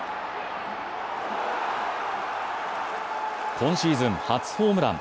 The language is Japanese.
今シーズン初ホームラン。